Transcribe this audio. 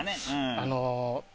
あの。